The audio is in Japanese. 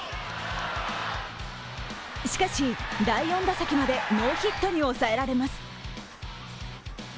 しかし、第４打席までノーヒットに抑えられます。